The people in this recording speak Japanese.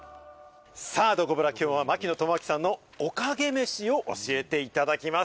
どこブラ、きょうは槙野智章さんの、おかげ飯を教えていただきます。